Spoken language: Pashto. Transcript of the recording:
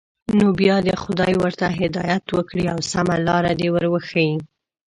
نو بیا دې خدای ورته هدایت وکړي او سمه لاره دې ور وښيي.